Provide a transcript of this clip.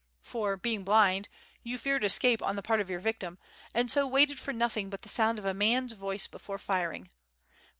For, being blind, you feared escape on the part of your victim, and so waited for nothing but the sound of a man's voice before firing.